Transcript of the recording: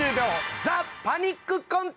『ＴＨＥパニックコント』！